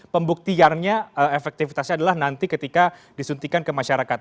pembuktiannya efektivitasnya adalah nanti ketika disuntikan ke masyarakat